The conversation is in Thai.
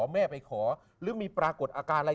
แม่ไปขอหรือมีปรากฏอาการอะไร